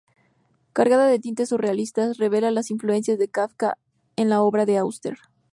Cargada de tintes surrealistas, revela las influencias de Kafka en la obra de Auster.